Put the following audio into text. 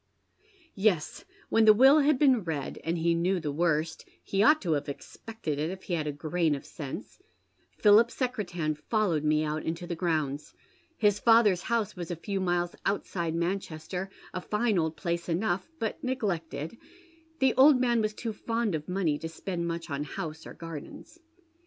Yes, when the will had been read, and he knew the worst — he OTight to have expected it if he had a grain of sense, — PliiJip Secretan followed me out into the grounds. His father's house was a few miles outside Manchester, a fine old place enough, but neglected, — the old man was too fond of money to spend mucii on house or gardens.